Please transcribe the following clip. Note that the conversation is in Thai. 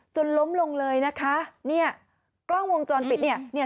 จนล้มลงเลยนะคะเนี่ยกล้องวงจรปิดเนี่ยเนี่ย